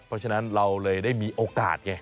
เพราะฉะนั้นเราเลยได้มีโอกาสไง